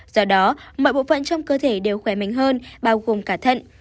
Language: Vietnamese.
do đó mọi bộ phận trong cơ thể đều khỏe mạnh hơn bao gồm cả thận